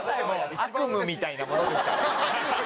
悪夢みたいなものですから。